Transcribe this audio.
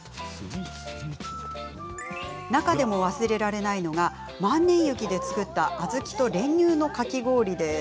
中でも忘れられないのが万年雪で作った小豆と練乳のかき氷です。